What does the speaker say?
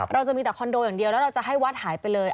เราจะมีแต่คอนโดอย่างเดียวแล้วเราจะให้วัดหายไปเลย